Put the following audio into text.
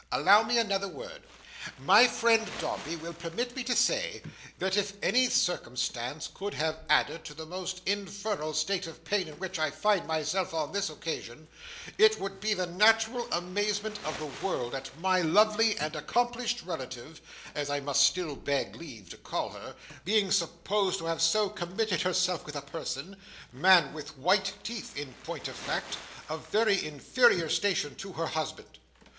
"Allow me another word. My friend Dombey will permit me to say, that if any circumstance could have added to the most infernal state of pain in which I find myself on this occasion, it would be the natural amazement of the world at my lovely and accomplished relative (as I must still beg leave to call her) being supposed to have so committed herself with a person—man with white teeth, in point of fact—of very inferior station to her husband.